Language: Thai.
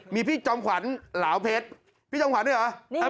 มีพี่จอมขวัญเหลาเพชรพี่จอมขวัญด้วยเหรอ